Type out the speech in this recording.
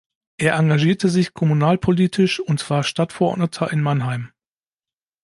Er engagierte sich kommunalpolitisch und war Stadtverordneter in Mannheim.